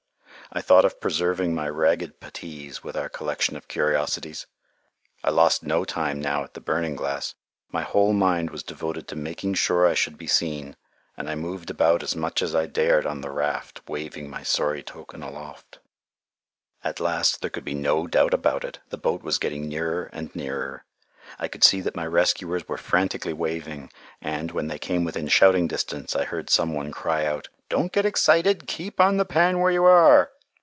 I thought of preserving my ragged puttees with our collection of curiosities. I lost no time now at the burning glass. My whole mind was devoted to making sure I should be seen, and I moved about as much as I dared on the raft, waving my sorry token aloft. At last there could be no doubt about it: the boat was getting nearer and nearer. I could see that my rescuers were frantically waving, and, when they came within shouting distance, I heard some one cry out, "Don't get excited. Keep on the pan where you are."